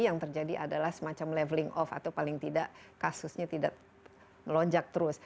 yang terjadi adalah semacam leveling off atau paling tidak kasusnya tidak melonjak terus